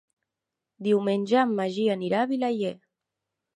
Diumenge en Magí anirà a Vilaller.